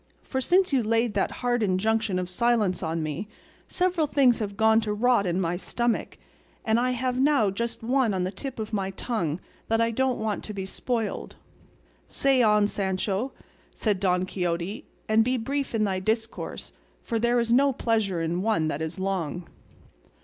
For since you laid that hard injunction of silence on me several things have gone to rot in my stomach, and I have now just one on the tip of my tongue that I don't want to be spoiled." "Say, on, Sancho," said Don Quixote, "and be brief in thy discourse, for there is no pleasure in one that is long."